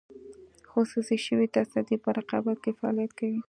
خصوصي شوې تصدۍ په رقابت کې فعالیت کوي.